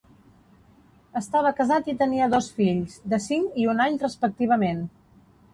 Estava casat i tenia dos fills, de cinc i un any respectivament.